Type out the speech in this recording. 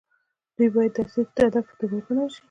دوی باید د اصلي هدف په توګه وګڼل شي.